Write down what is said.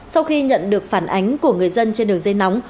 sau khi nhận được phản ánh của người dân trên đường dây nóng